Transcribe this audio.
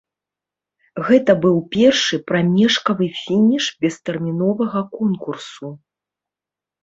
Гэта быў першы прамежкавы фініш бестэрміновага конкурсу.